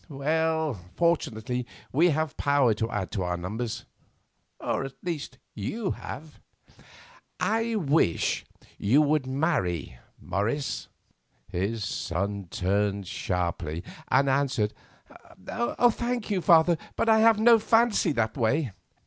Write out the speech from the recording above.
Well, fortunately, we have power to add to our numbers; or at least you have. I wish you would marry, Morris." His son turned sharply, and answered: "Thank you, father, but I have no fancy that way."